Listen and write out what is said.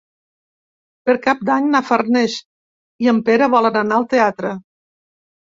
Per Cap d'Any na Farners i en Pere volen anar al teatre.